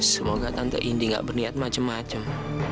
semoga tante indy gak berniat macem macem